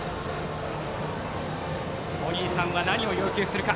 お兄さんが何を要求するか。